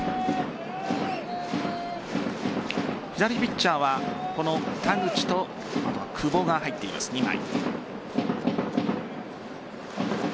左ピッチャーはこの田口とあとは久保が入っています、２枚。